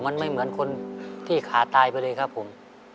มันไม่เหมือนคนที่ขาตายไปเลยครับผม